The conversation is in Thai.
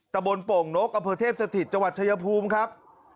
ตะบนโป่งนกอเภอเทพสถิตจวัตรชยภูมิครับ